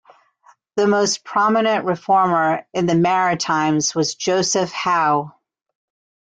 The most prominent Reformer in the Maritimes was Joseph Howe.